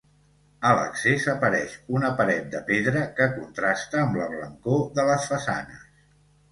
A l'accés apareix una paret de pedra que contrasta amb la blancor de les façanes.